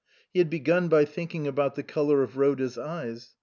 He had begun by thinking about the colour of Rhoda's eyes.